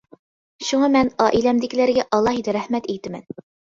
شۇڭا مەن ئائىلەمدىكىلەرگە ئالاھىدە رەھمەت ئېيتىمەن.